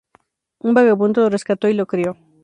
Un vagabundo lo rescató y lo crio.